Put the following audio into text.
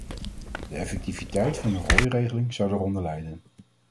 De effectiviteit van de rooiregeling zou daaronder lijden.